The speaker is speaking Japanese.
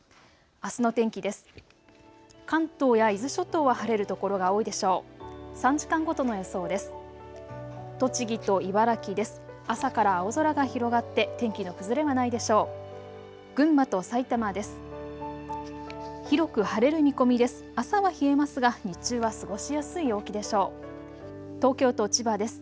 あすの天気です。